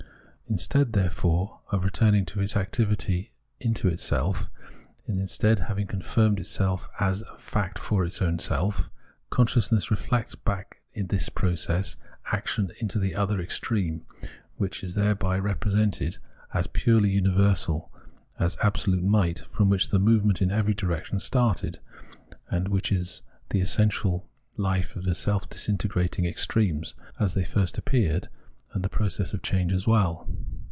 Instead, therefore, of returning out of its activity into itself, and instead of having confirmed itself as a fact for its self, conscious ness reflects back this process of action into the other extreme, which is thereby represented as purely univer sal, as absolute might, from which the movement in every direction started, and which is the essential hfe 212 Phenomenology of Mind of the self disintegrating extremes, as they at first appeared, and of the process of change as well.